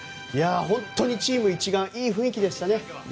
本当にチーム一丸いい雰囲気でしたね。